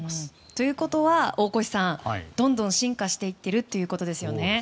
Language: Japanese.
ということは、大越さんどんどん進化していってるってことですよね。